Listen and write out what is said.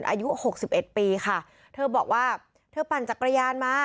อายุหกสิบเอ็ดปีค่ะเธอบอกว่าเธอปั่นจักรยานมา